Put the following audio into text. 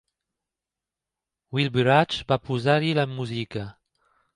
Wilbur Hatch va posar-hi la música.